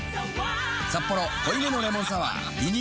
「サッポロ濃いめのレモンサワー」リニューアル